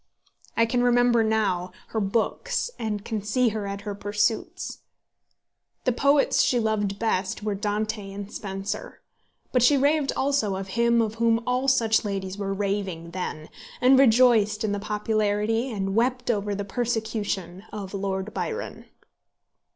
I can remember now her books, and can see her at her pursuits. The poets she loved best were Dante and Spenser. But she raved also of him of whom all such ladies were raving then, and rejoiced in the popularity and wept over the persecution of Lord Byron.